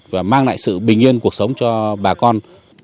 và mang lại sự bình yên cuộc sống cho bà con